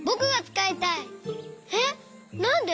えっなんで？